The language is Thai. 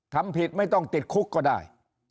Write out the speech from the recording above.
ทำผิดไม่ต้องติดคุกก็ได้